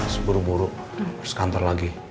seburu buru harus kantor lagi